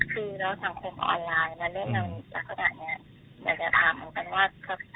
คือเราสังคมออนไลน์และเรื่องแบบนี้สักขนาดเนี้ยอยากจะถามเหมือนกันว่า